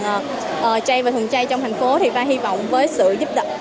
thuần chay và chay và thuần chay trong thành phố thì ta hy vọng với sự giúp đỡ